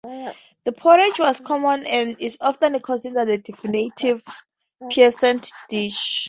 The porridge was common, and is often considered the definitive peasant dish.